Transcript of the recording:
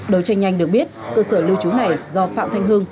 đối tranh nhanh được biết cơ sở lưu trú này do phạm thanh hưng